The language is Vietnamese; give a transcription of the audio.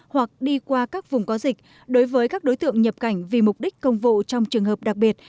hoặc đi qua các vùng có dịch đối với các đối tượng nhập cảnh vì mục đích công vụ trong trường hợp đặc biệt